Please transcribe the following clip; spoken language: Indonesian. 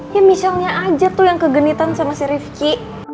ya michelle nya aja tuh yang kegenitan sama si rivki